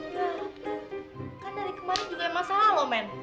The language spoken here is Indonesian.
ya kan dari kemarin juga emang salah loh men